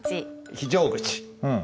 非常口。